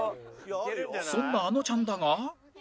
そんなあのちゃんだが